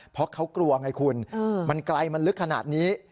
เพราะเขากลัวไงคุณมันไกลมันลึกขนาดนี้